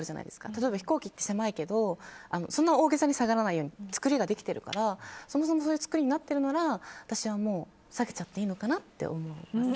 例えば飛行機って狭いけどそんな大げさに下がらないように作りができてるから、そもそもそういう作りになってるなら私は、下げちゃっていいのかなって思います。